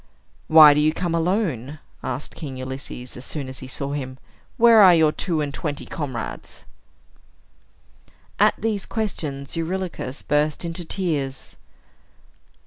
"Why do you come alone?" asked King Ulysses, as soon as he saw him. "Where are your two and twenty comrades?" At these questions, Eurylochus burst into tears.